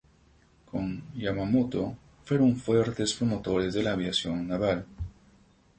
Con Yamamoto fueron fuertes promotores de la aviación naval.